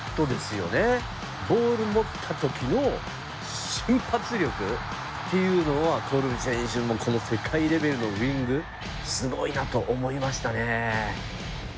ボール持った時の瞬発力っていうのはコルビ選手もうこの世界レベルのウイングすごいなと思いましたね。